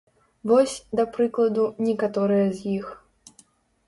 Вось, да прыкладу, некаторыя з іх.